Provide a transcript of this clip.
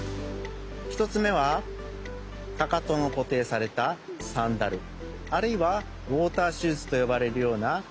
１つめはかかとのこていされたサンダルあるいはウォーターシューズとよばれるようなくつです。